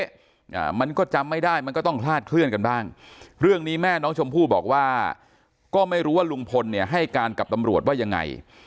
อ่ามันก็จำไม่ได้มันก็ต้องคลาดเคลื่อนกันบ้างเรื่องนี้แม่น้องชมพู่บอกว่าก็ไม่รู้ว่าลุงพลเนี่ยให้การกับตำรวจว่ายังไง